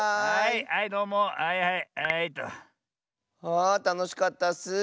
あたのしかったッス。